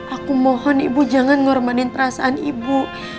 aku mohon ibu jangan mengorbanin perasaan ibu